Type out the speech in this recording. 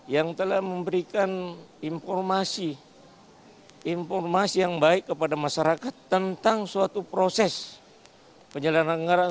yang telah memberikan informasi informasi yang baik kepada masyarakat tentang suatu proses penyelenggaraan